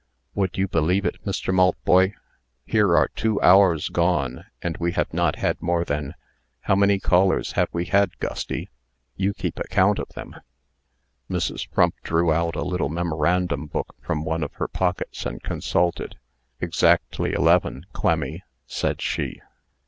"Would you believe it, Mr. Maltboy here are two hours gone, and we have not had more than how many callers have we had, Gusty? You keep account of them." Mrs. Frump drew out a little memorandum book from one of her pockets, and consulted. "Exactly eleven, Clemmy," said she.